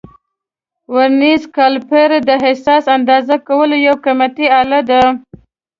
ورنیز کالیپر د حساس اندازه کولو یو قیمتي آله ده.